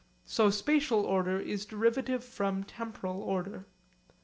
So spatial order is derivative from temporal order.